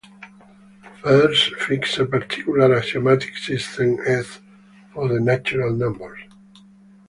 First, fix a particular axiomatic system S for the natural numbers.